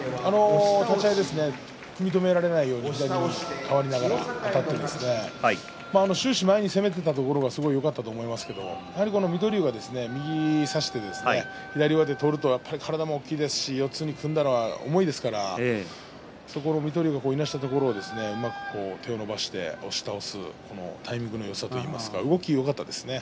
立ち合い組み止められないように左に変わりながらあたって終始前に攻めていたところがすごいよかったと思いますけど水戸龍が右を差して左上手を取るとやっぱり体も大きいですし四つに組んだら重いですからそこを水戸龍がいなしたところうまく手を伸ばして押し倒すタイミングのよさといいますか動きがよかったですね。